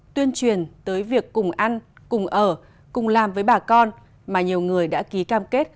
tuyên truyền tới việc cùng ăn cùng ở cùng làm với bà con mà nhiều người đã ký cam kết